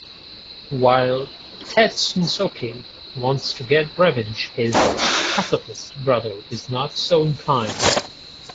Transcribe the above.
While Tetsunosuke wants to get revenge, his pacifist brother is not so inclined.